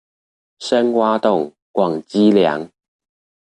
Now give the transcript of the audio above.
深挖洞，廣積糧